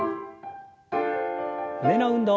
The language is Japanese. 胸の運動。